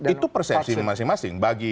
itu persepsi masing masing